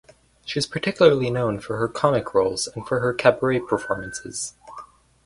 She is particularly known for her comic roles and for her cabaret performances.